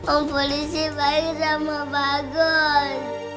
oh polisi baik sama bagus